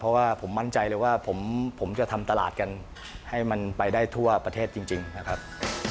เพราะว่าผมมั่นใจเลยว่าผมจะทำตลาดกันให้มันไปได้ทั่วประเทศจริงนะครับ